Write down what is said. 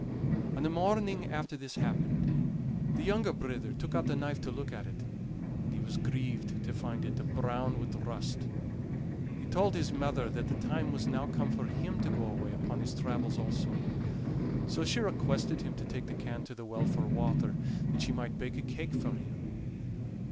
On the morning after this happened the younger brither took out the knife to look at it, and he was grieved to find it a' brown wi' rust. He told his mother that the time was now come for him to go away upon his travels also; so she requested him to take the can to the well for water, that she might bake a cake for him.